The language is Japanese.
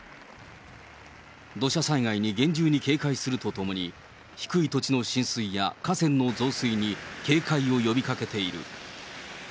土砂災害に厳重に警戒するとともに、低い土地の浸水や河川の増水に警戒を呼びかけている。